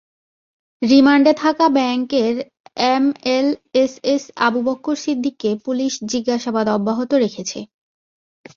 রিমান্ডে থাকা ব্যাংকের এমএলএসএস আবু বক্কর সিদ্দিককে পুলিশ জিজ্ঞাসাবাদ অব্যাহত রেখেছে।